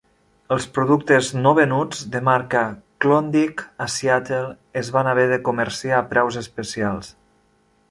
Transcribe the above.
Els productes no venuts, de marca Klondike, a Seattle es van haver de comerciar a preus especials.